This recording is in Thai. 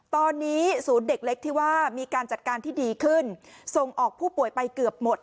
ตอนนี้ศูนย์เด็กเล็กที่ว่ามีการจัดการที่ดีขึ้นส่งออกผู้ป่วยไปเกือบหมด